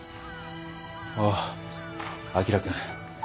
ああ旭君。